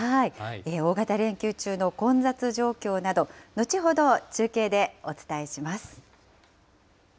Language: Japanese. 大型連休中の混雑状況など、後ほど中継でお伝えします。